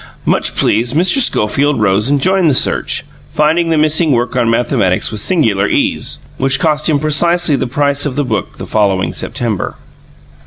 Much pleased, Mr. Schofield rose and joined the search, finding the missing work on mathematics with singular ease which cost him precisely the price of the book the following September.